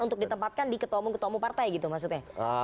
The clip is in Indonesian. untuk ditempatkan di ketua ketua partai gitu maksudnya